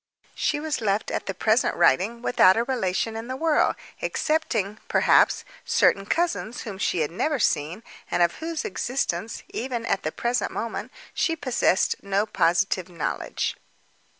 She was left, at the present writing, without a relation in the world—excepting, perhaps, certain cousins whom she had never seen, and of whose existence even, at the present moment, she possessed no positive knowledge.